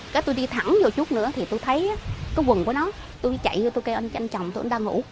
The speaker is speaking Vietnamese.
cái tôi đi thẳng vô chút nữa thì tôi thấy cái quần của nó tôi chạy vô tôi kêu anh chàng chồng tôi anh ta ngủ